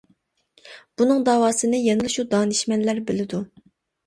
بۇنىڭ داۋاسىنى يەنىلا شۇ دانىشمەنلەر بىلىدۇ.